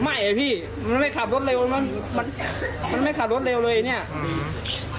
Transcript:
อ่ะพี่มันไม่ขับรถเร็วมันมันไม่ขับรถเร็วเลยเนี้ยอืม